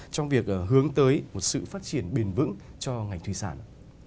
trong việc hướng tới một sự phát triển bền vững cho ngành thủy sản